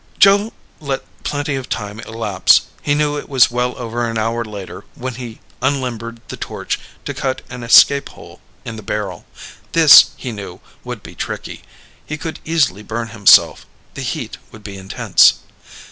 Joe let plenty of time elapse. He knew it was well over an hour later when he unlimbered the torch to cut an escape hole in the barrel. This, he knew, would be tricky. He could easily burn himself. The heat would be intense.